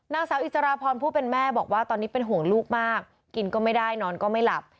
นางสาวอิสราพรผู้เป็นแม่บอกว่าตอนนี้เป็นห่วงลูกมากกินก็ไม่ได้นอนก็ไม่หลับ